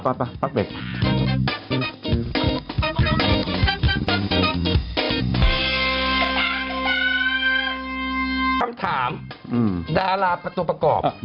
คำถามดาราประตูประกอบ